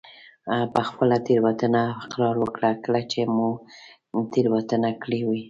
په خپله تېروتنه اقرار وکړه کله چې مو تېروتنه کړي وي.